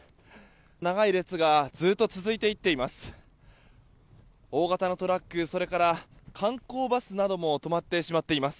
長い列がずっと続いていっています。